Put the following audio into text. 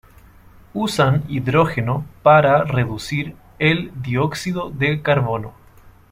Usan hidrógeno para reducir el dióxido de carbono.